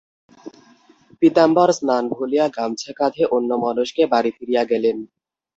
পীতাম্বর স্নান ভুলিয়া গামছা-কাঁধে অন্যমনস্কে বাড়ি ফিরিয়া গেলেন।